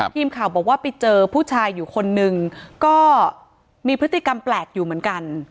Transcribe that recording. ทีมข่าวบอกว่าไปเจอผู้ชายอยู่คนนึงก็มีพฤติกรรมแปลกอยู่เหมือนกัน